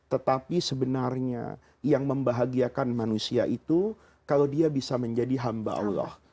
tetapi sebenarnya yang membahagiakan manusia itu kalau dia bisa menjadi hamba allah